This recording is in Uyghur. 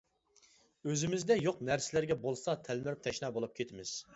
ئۆزىمىزدە يوق نەرسىلەرگە بولسا تەلمۈرۈپ تەشنا بولۇپ كېتىمىز.